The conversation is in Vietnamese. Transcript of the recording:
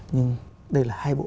nhưng đây là hai bộ